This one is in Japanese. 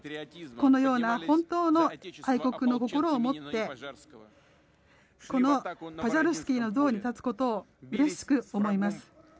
このような本当の大国の心をもってこの場に立つことをうれしく思います。